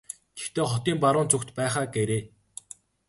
Гэхдээ хотын баруун зүгт байх аа гээрэй.